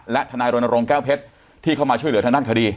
และทนายรณรงค์แก้วเพชรที่เข้ามาช่วยเหลือทางด้านคดี